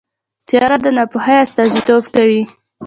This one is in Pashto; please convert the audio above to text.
تیاره د ناپوهۍ استازیتوب کوي.